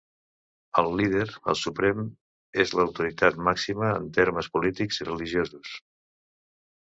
El Líder el Suprem és l'autoritat màxima en termes polítics i religiosos.